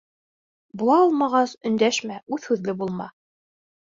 Була алмағас, өндәшмә, үҙ һүҙле булма.